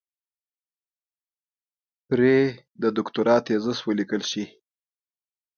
پرې د دوکتورا تېزس وليکل شي.